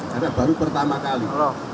karena baru pertama kali